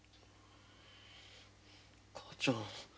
母ちゃん。